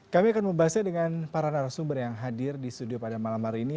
kami akan membahasnya dengan para narasumber yang hadir di studio pada malam hari ini